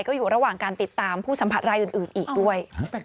ก็อยู่ระหว่างการติดตามผู้สัมผัสรายอื่นอีกด้วย